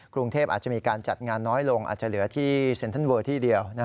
กรุงเทพอาจจะมีการจัดงานน้อยลงอาจจะเหลือที่เซ็นทรัลเวอร์ที่เดียว